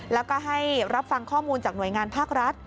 แล้วก็ให้รับฟังข้อมูลจากหน่วยงานภาครัฐ